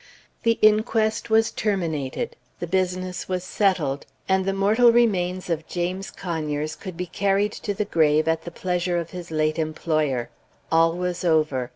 The inquest was terminated; the business was settled; and the mortal remains of James Conyers could be carried to the grave at the pleasure of his late employer. All was over.